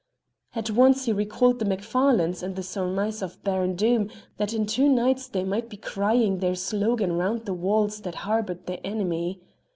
At once he recalled the Macfarlanes and the surmise of Baron Doom that in two nights they might be crying their slogan round the walls that harboured their enemy.